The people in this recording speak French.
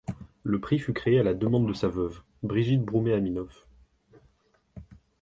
Le prix fut créé à la demande de sa veuve, Birgit Broomé-Aminoff.